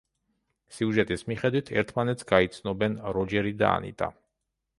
სიუჟეტის მიხედვით, ერთმანეთს გაიცნობენ როჯერი და ანიტა.